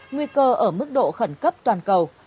nguy cơ ở mức độ khẩn cấp toàn cầu